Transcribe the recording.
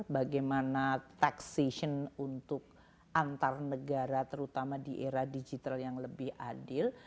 bagaimana taxation untuk antar negara terutama di era digital yang lebih adil